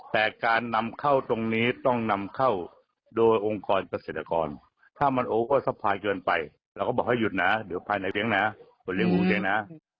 แต่การนำเข้าตรงนี้ต้องนำเข้าโดยองค์กรเกษตรกรถ้ามันโอเคก็สะพายเกินไปแล้วก็บอกให้หยุดนะเดี๋ยวภายในเย็นนะ